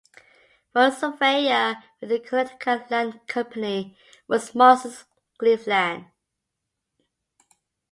One surveyor with the Connecticut Land Company was Moses Cleaveland.